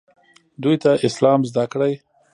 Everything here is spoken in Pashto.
دوی ته اسلام زده کړئ